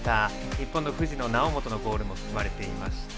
日本の藤野、猶本のゴールも含まれていました。